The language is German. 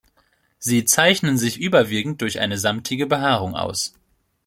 Sie zeichnen sich überwiegend durch eine samtige Behaarung aus.